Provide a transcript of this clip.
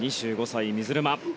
２５歳、水沼。